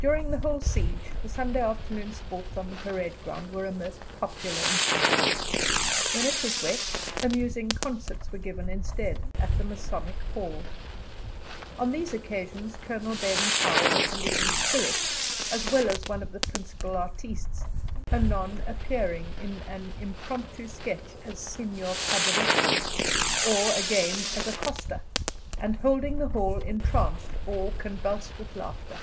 During the whole siege the Sunday afternoon sports on the parade ground were a most popular institution; when it was wet, amusing concerts were given instead at the Masonic Hall. On these occasions Colonel Baden Powell was the leading spirit, as well as one of the principal artistes, anon appearing in an impromptu sketch as "Signor Paderewski," or, again, as a coster, and holding the hall entranced or convulsed with laughter.